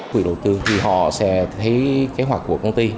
quỹ đầu tư thì họ sẽ thấy kế hoạch của công ty